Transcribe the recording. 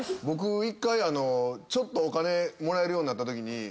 僕１回ちょっとお金もらえるようになったときに。